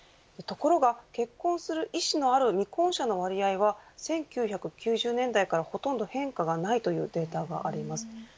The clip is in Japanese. ところが結婚する意思のある未婚者の割合は１９９０年代からほとんど変化がないというデータがあります。